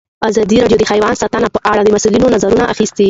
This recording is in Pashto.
ازادي راډیو د حیوان ساتنه په اړه د مسؤلینو نظرونه اخیستي.